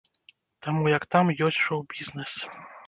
Таму як там ёсць шоў-бізнес.